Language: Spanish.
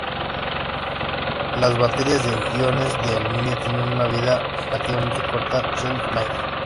Las baterías de iones de aluminio tienen una vida relativamente corta shelf life.